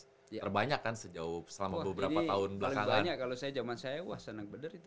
terbanyak kan sejauh selama beberapa tahun belakangannya kalau saya zaman saya wah senang bener itu